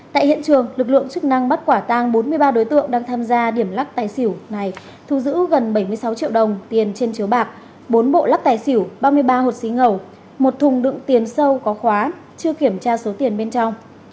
tại hiện trường lực lượng chức năng bắt quả tang bốn mươi ba đối tượng đang tham gia điểm lắc tài xỉu này thu giữ gần bảy mươi sáu triệu đồng tiền trên chiếu bạc bốn bộ lắc tài xỉu ba mươi ba hột xí ngầu một thùng đựng tiền sâu có khóa chưa kiểm tra số tiền bên trong